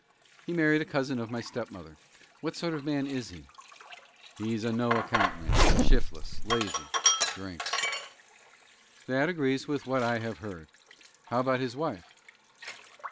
"He married a cousin of my stepmother. What sort of a man is he?" "He's a no account man shif'less, lazy drinks." "That agrees with what I have heard. How about his wife?"